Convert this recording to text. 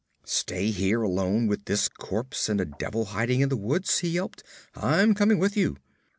'Stay here alone with this corpse and a devil hiding in the woods?' he yelped. 'I'm coming with you!'